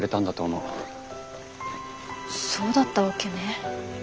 そうだったわけね。